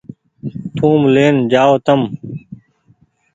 ٿوم لين جآئو تم ۔